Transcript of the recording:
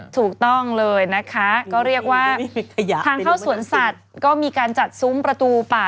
ถูกต้องเลยนะคะก็เรียกว่าทางเข้าสวนสัตว์ก็มีการจัดซุ้มประตูป่า